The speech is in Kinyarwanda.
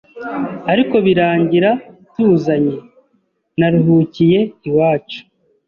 ariko birangira tuzanye! Naruhukiye iwacu